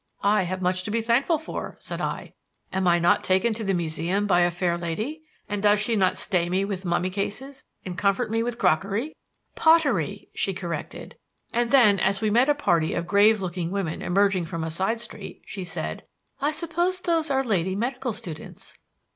"I have much to be thankful for," said I. "Am I not taken to the Museum by a fair lady? And does she not stay me with mummy cases and comfort me with crockery?" "Pottery," she corrected; and then as we met a party of grave looking women emerging from a side street, she said: "I suppose those are lady medical students."